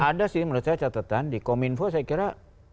jadi menurut saya catatan di kominfo saya kira